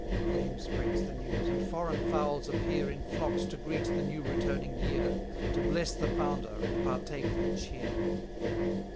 Fame spreads the news, and foreign fowls appear In flocks to greet the new returning year, To bless the founder, and partake the cheer.